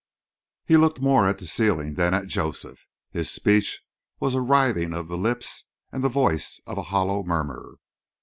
He looked more at the ceiling than at Joseph. His speech was a writhing of the lips and the voice a hollow murmur.